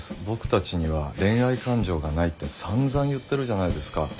僕たちには恋愛感情がないってさんざん言ってるじゃないですか。